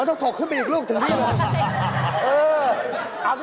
โอ้โธ่มันต้องถกขึ้นไปอีกรูปถึงนี่แหละเออ